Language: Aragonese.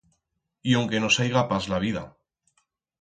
Y onque no seiga pas la vida.